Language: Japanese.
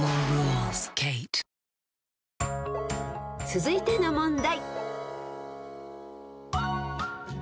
［続いての問題］